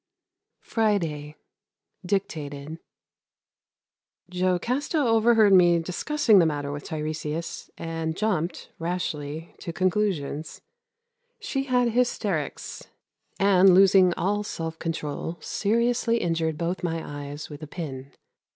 Friday (dictated). Jocasta overheard me discussing the matter with Tiresias and jumped, rashly, to conclusions. She had hysterics, and, losing all self control, seriously injured both my eyes with a pin.